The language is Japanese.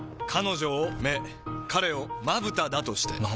彼女を目彼をまぶただとして。